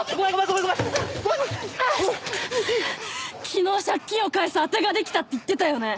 昨日借金を返すあてが出来たって言ってたよね？